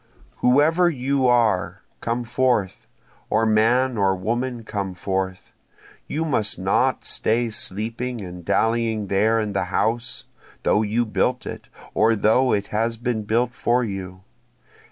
Whoever you are, come forth! or man or woman come forth! You must not stay sleeping and dallying there in the house, though you built it, or though it has been built for you.